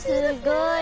すごい。